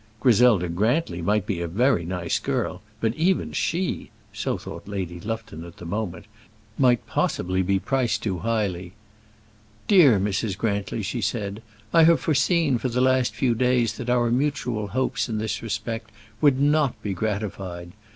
Griselda Grantly might be a very nice girl; but even she so thought Lady Lufton at the moment might possibly be priced too highly. "Dear Mrs. Grantly," she said, "I have foreseen for the last few days that our mutual hopes in this respect would not be gratified.